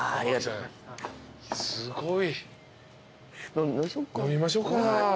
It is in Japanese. すごい。飲みましょうか。